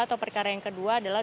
atau perkara yang kedua adalah